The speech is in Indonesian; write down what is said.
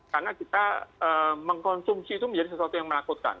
karena kita mengkonsumsi itu menjadi sesuatu yang menakutkan